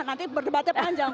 nanti berdebatnya panjang